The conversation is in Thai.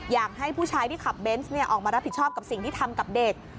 อยากให้ผู้ชายที่ขับเบนส์ออกมารับผิดชอบกับสิ่งที่ทำกับเด็ก